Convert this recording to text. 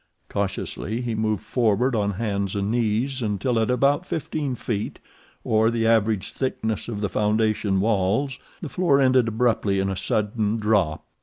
Cautiously he moved forward on hands and knees, until at about fifteen feet, or the average thickness of the foundation walls, the floor ended abruptly in a sudden drop.